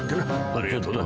ありがとな。